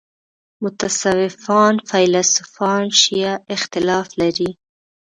متصوفان فیلسوفان شیعه اختلاف لري.